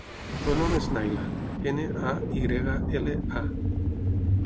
El nom és Nayla: ena, a, i grega, ela, a.